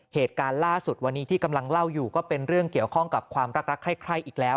เหตุการณ์ล่าสุดวันนี้ที่กำลังเล่าอยู่ก็เป็นเรื่องเกี่ยวข้องกับความรักใคร้อีกแล้ว